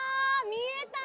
見えたー！